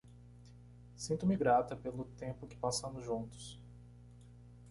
Sinto-me grata pelo tempo que passamos juntos.